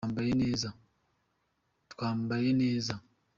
twambaye neza.